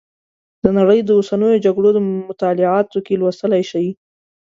د نړۍ د اوسنیو جګړو مطالعاتو کې لوستلی شئ.